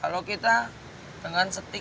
kalau kita dengan setik